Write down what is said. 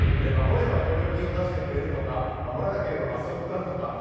守れば協力金を出してくれるとか守らなければ罰則があるとか